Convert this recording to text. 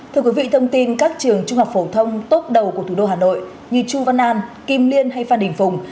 thưa quý vị thông tin các trường trung học phổ thông tốt đầu của thủ đô hà nội như chu văn an kim liên hay phan đình phùng